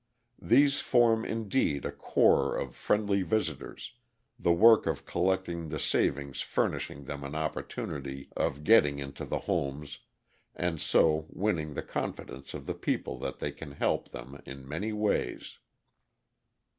These form indeed a corps of friendly visitors, the work of collecting the savings furnishing them an opportunity of getting into the homes and so winning the confidence of the people that they can help them in many ways.